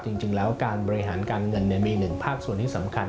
จริงแล้วการบริหารการเงินมีหนึ่งภาคส่วนที่สำคัญ